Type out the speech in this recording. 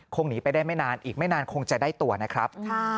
หนีไปได้ไม่นานอีกไม่นานคงจะได้ตัวนะครับ